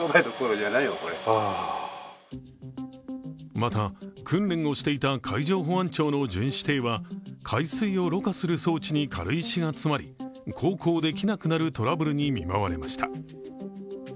また、訓練をしていた海上保安庁の巡視艇は海水をろ過する装置に軽石が詰まり航行できなくなるトラブルに見舞われました。